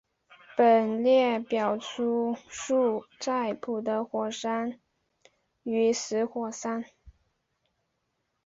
本列表列出柬埔寨的活火山与死火山。